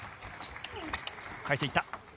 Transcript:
返して行った。